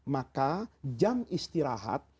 maka jam istirahat